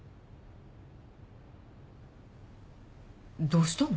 どうしたの？